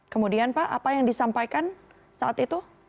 kemudian pak apa yang disampaikan saat itu